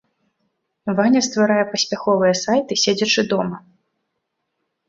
Ваня стварае паспяховыя сайты, седзячы дома.